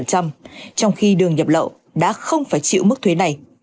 trong khi đường nhập lậu đã không phải chịu mức thuế này